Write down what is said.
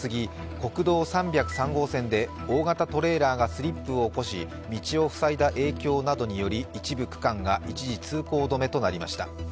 国道３０３号線で大型トレーラーがスリップを起こし道をふさいだ影響などにより一部区間が一時通行止めとなりました。